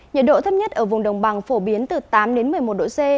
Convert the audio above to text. nhiệt độ thấp nhất ở vùng đồng bằng phổ biến từ tám đến một mươi một độ c